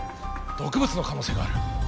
毒物の可能性がある。